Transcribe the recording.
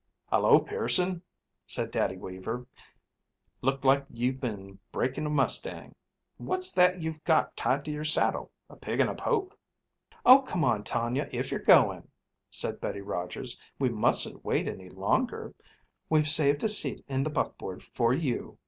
"Hallo, Pearson," said Daddy Weaver. "Look like you've been breaking a mustang. What's that you've got tied to your saddle—a pig in a poke?" "Oh, come on, Tonia, if you're going," said Betty Rogers. "We mustn't wait any longer. We've saved a seat in the buckboard for you.